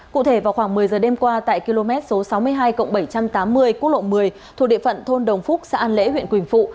cụ thể vào khoảng một mươi giờ đêm qua tại km số sáu mươi hai bảy trăm tám mươi quốc lộ một mươi thuộc địa phận thôn đồng phúc xã an lễ huyện quỳnh phụ